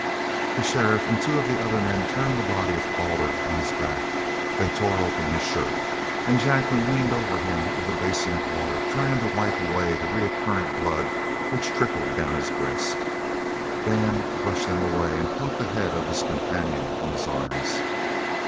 The sheriff and two of the other men turned the body of Calder on his back. They tore open his shirt, and Jacqueline leaned over him with a basin of water trying to wipe away the ever recurrent blood which trickled down his breast. Dan brushed them away and caught the head of his companion in his arms.